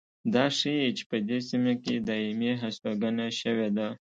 دا ښيي چې په دې سیمه کې دایمي هستوګنه شوې ده